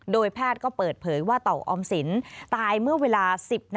โดยแพทย์ก็เปิดเผยว่าเต่าออมสินตายเมื่อเวลา๑๐นาที